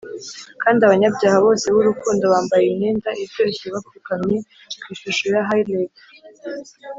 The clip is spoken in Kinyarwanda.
kandi abanyabyaha bose b'urukundo bambaye imyenda iryoshye bapfukamye ku ishusho ya hyleg,